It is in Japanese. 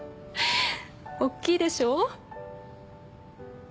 大っきいでしょ？